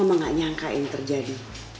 kamu gak nyangka ini terjadi